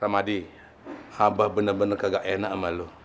rahmadi abah bener bener kagak enak sama lu